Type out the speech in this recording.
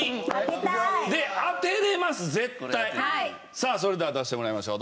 さあそれでは出してもらいましょう。